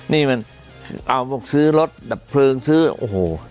นี่มันเอาบอกซื้อรถดับเพลิงซื้อโอ้โห